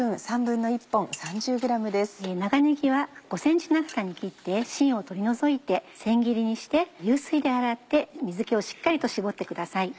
長ねぎは５ｃｍ長さに切ってしんを取り除いてせん切りにして流水で洗って水気をしっかりと絞ってください。